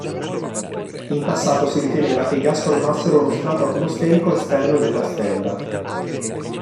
In passato si riteneva che i gas formassero uno strato atmosferico esterno della stella.